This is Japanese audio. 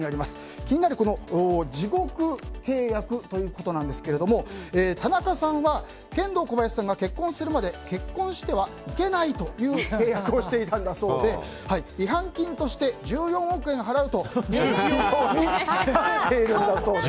気になる地獄契約ということですが田中さんはケンドーコバヤシさんが結婚するまで結婚してはいけないという契約をしていたんだそうで違反金として１４億円払うという契約になっているそうです。